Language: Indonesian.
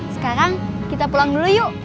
sekarang kita pulang dulu yuk